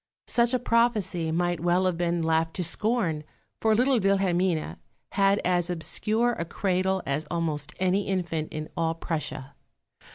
Such a prophecy might well have been laughed to scorn, for little Wilhelmine had as obscure a cradle as almost any infant in all Prussia.